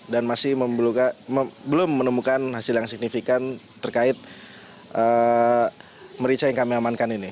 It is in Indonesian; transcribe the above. dan masih belum menemukan hasil yang signifikan terkait merica yang kami amankan ini